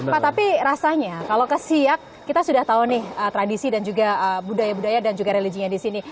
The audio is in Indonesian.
pak tapi rasanya kalau kesiak kita sudah tahu nih tradisi dan juga budaya budaya dan juga religinya di sini